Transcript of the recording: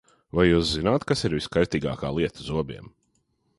Vai jūs zināt, kas ir viskaitīgākā lieta zobiem?